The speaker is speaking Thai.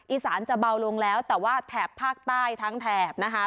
อีสานจะเบาลงแล้วแต่ว่าแถบภาคใต้ทั้งแถบนะคะ